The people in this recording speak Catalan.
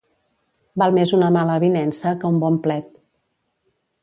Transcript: Val més una mala avinença que un bon plet.